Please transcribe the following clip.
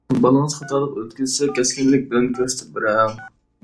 بالىڭىز خاتالىق ئۆتكۈزسە كەسكىنلىك بىلەن كۆرسىتىپ بېرىڭ.